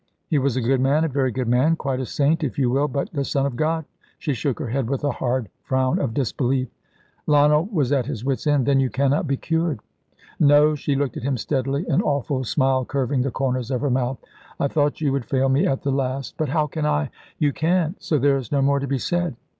He was a good man, a very good man quite a saint, if you will. But the Son of God?" She shook her head with a hard frown of disbelief. Lionel was at his wit's end. "Then you cannot be cured?" "No"; she looked at him steadily, an awful smile curving the corners of her mouth. "I thought you would fail me at the last." "But how can I ?" "You can't, so there's no more to be said."